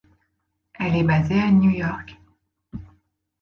Elle est basée à New York.